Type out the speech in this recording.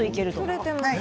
取れています。